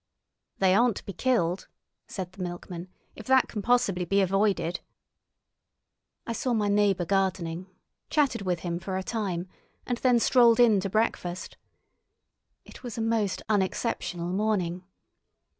"They aren't to be killed," said the milkman, "if that can possibly be avoided." I saw my neighbour gardening, chatted with him for a time, and then strolled in to breakfast. It was a most unexceptional morning.